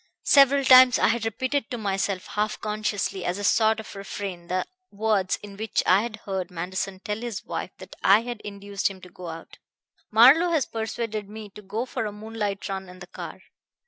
"Several times I had repeated to myself half consciously, as a sort of refrain, the words in which I had heard Manderson tell his wife that I had induced him to go out. 'Marlowe has persuaded me to go for a moonlight run in the car.